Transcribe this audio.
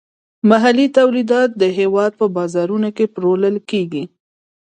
محلي تولیدات د هیواد په بازارونو کې پلورل کیږي.